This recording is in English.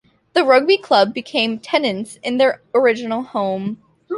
The rugby club became tenants in their original home.